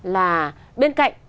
là bên cạnh